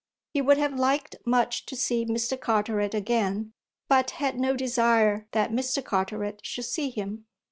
He would have liked much to see Mr. Carteret again, but had no desire that Mr. Carteret should see him.